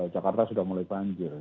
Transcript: jakarta sudah mulai banjir